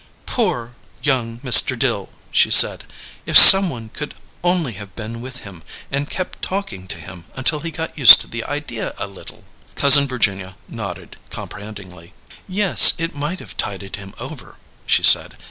"Poor young Mr. Dill!" she said. "If someone could only have been with him and kept talking to him until he got used to the idea a little!" Cousin Virginia nodded comprehendingly. "Yes, it might have tided him over," she said.